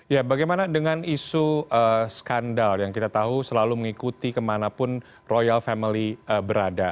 ya bagaimana dengan isu skandal yang kita tahu selalu mengikuti kemanapun royal family berada